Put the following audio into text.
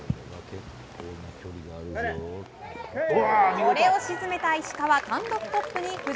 これを沈めた石川単独トップに浮上。